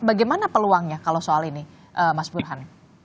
bagaimana peluangnya kalau soal ini mas burhan